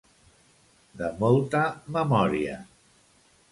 De molta memòria.